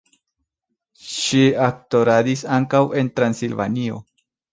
Ŝi aktoradis ankaŭ en Transilvanio.